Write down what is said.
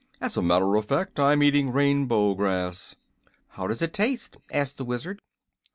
"As a matter of fact, I'm eating rainbow grass." "How does it taste?" asked the Wizard.